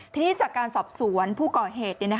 ทีนี้จากการสอบสวนผู้ก่อเหตุ